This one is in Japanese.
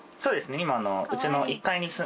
今。